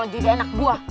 juga enak gue